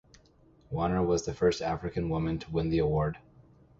Wanner was the first African woman to win the award.